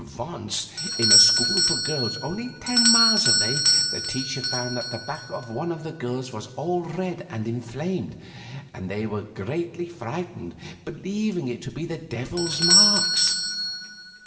Once, in a school for girls only ten miles away, the teachers found that the back of one of the girls was all red and inflamed, and they were greatly frightened, believing it to be the Devil's marks.